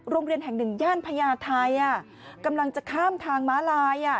โรงเรียนแห่งหนึ่งย่านพญาไทยกำลังจะข้ามทางม้าลาย